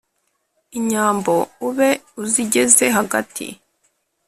inyambo ube uzigeze hagati.